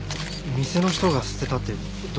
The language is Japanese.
店の人が捨てたってどうして？